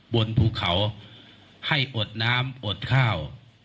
บนภูเขาให้อดน้ำอดข้าว